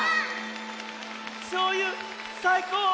しょうゆさいこう！